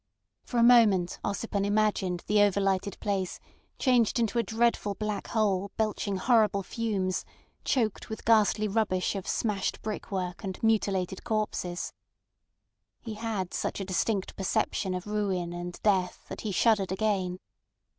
For a moment Ossipon imagined the overlighted place changed into a dreadful black hole belching horrible fumes choked with ghastly rubbish of smashed brickwork and mutilated corpses. He had such a distinct perception of ruin and death that he shuddered again.